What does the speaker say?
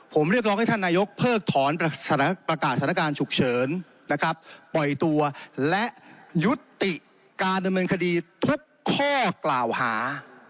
ผมเรียกร้องให้ท่านนายกเพิกถอนประกาศสถานการณ์ฉุกเฉินนะครับปล่อยตัวและยุติการดำเนินคดีทุกข้อกล่าวหา